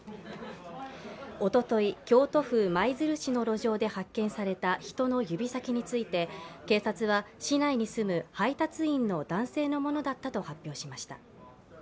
おととい、京都府舞鶴市の路上で発見された人の指先について警察は、市内に住む配達員の男性のものだったと発表しました。